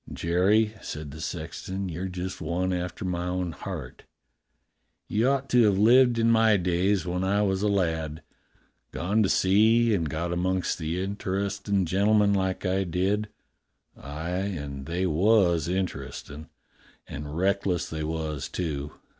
"Jerry," said the sexton, "you're just one after my own heart. You ought to have lived in my days, when I was a lad. Gone to sea and got amongst the inter estin' gentlemen like I did. Aye, they was interestin'. And reckless they was, too.